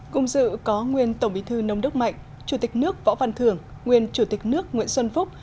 cùng dự có nguyên tổng bí thư nông đức mạnh chủ tịch nước võ văn thường nguyên chủ tịch nước nguyễn xuân phúc